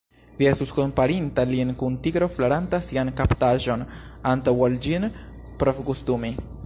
Vi estus komparinta lin kun tigro flaranta sian kaptaĵon, antaŭ ol ĝin provgustumi.